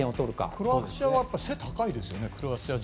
クロアチア人は背が高いですよね。